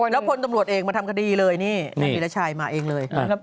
แล้วฝนสำรวจเองมาทำคดีเลยนี่แหน่งพิแลชัยมาเองเลย